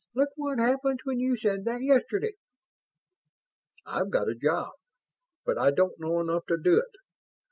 "Look what happened when you said that yesterday." "I've got a job, but I don't know enough to do it.